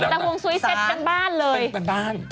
แล้วห่วงสุยเสร็จเป็นบ้านเลยเป็นบ้าน